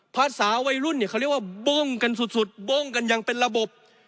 ภาษาวัยรุ่นเนี่ยเขาเรียกว่าโบ้งกันสุดบ้งกันอย่างเป็นระบบ